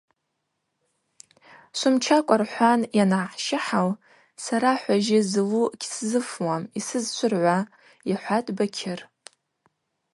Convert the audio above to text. Швымчакӏва рхӏван йангӏахӏщыхӏал: – Сара хӏважьы злу гьсзыфуам, йсызшвыргӏва, – йхӏватӏ Бакьыр.